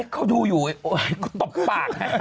เขาดูอยู่ตบปาก